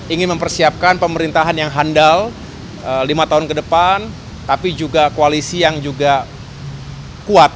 ingin mempersiapkan pemerintahan yang handal lima tahun ke depan tapi juga koalisi yang juga kuat